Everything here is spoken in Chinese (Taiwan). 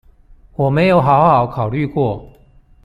我沒有好好考慮過